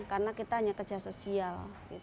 karena kita hanya kerja sosial